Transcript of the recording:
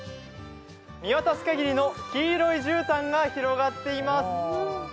見渡すかぎりの黄色いじゅうたんが広がっています。